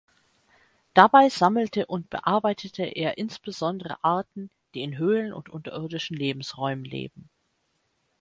Dabei sammelte und bearbeitete er insbesondere Arten, die in Höhlen und unterirdischen Lebensräumen leben.